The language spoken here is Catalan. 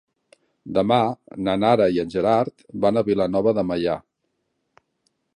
Demà na Nara i en Gerard van a Vilanova de Meià.